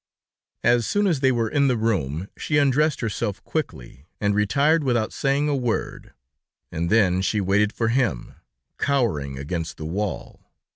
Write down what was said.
As soon as they were in the room, she undressed herself quickly, and retired without saying a word, and then she waited for him, cowering against the wall.